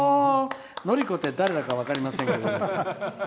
のりこって誰だか分かりませんけど。